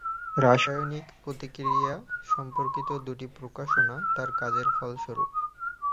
রাসায়নিক প্রতিক্রিয়া সম্পর্কিত দুটি প্রকাশনা তার কাজের ফলস্বরূপ।